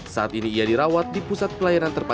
saat ini ia dirawat di pusat pelayanan terpapar